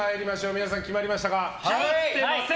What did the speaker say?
皆さん、決まりましたか。